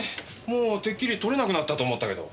もうてっきり撮れなくなったと思ったけど。